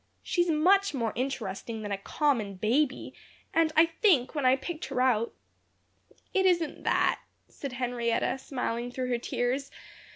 She's much more interesting than a common baby, and I think, when I picked her out " "It isn't that," said Henrietta, smiling through her tears.